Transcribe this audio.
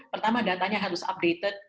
pertama datanya harus updated